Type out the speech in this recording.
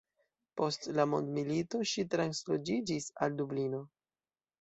Post la mondmilito, ŝi transloĝiĝis al Dublino.